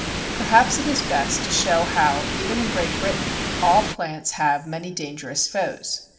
Perhaps it is best to show how, even in Great Britain, all plants have many dangerous foes.